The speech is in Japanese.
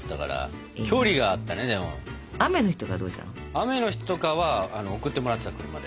雨の日とかは送ってもらってた車で。